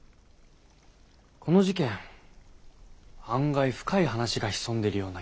この事件案外深い話が潜んでいるような気がします。